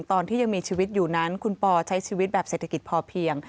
ตอนที่ยังมีชีวิตอยู่นั้นคุณปอใช้ชีวิตแบบเศรษฐกิจพอเพียง